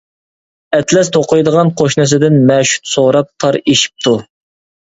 ئەتلەس توقۇيدىغان قوشنىسىدىن مەشۇت سوراپ تار ئېشىپتۇ.